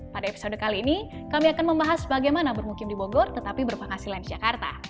pada episode kali ini kami akan membahas bagaimana bermukim di bogor tetapi berpenghasilan di jakarta